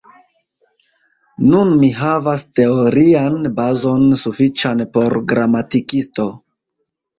Nun mi havas teorian bazon sufiĉan por gramatikisto.